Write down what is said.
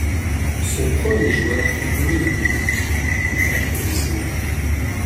Son premier joueur fait rouler le petit, puis sa première boule.